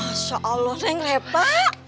masa allah neng reva